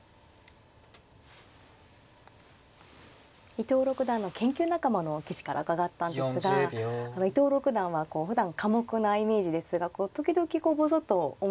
伊藤六段の研究仲間の棋士から伺ったんですが伊藤六段はふだん寡黙なイメージですが時々こうぼそっと面白いことというのを。